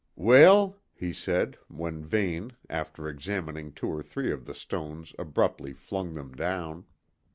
"Weel?" he said, when Vane, after examining two or three of the stones abruptly flung them down.